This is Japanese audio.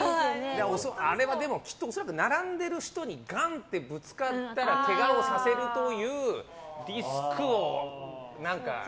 あれはでも、きっと恐らく並んでいる人にガンってぶつかったらけがをさせるというリスクを何か。